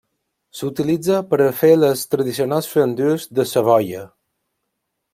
S'utilitza per a fer les tradicionals fondues de Savoia.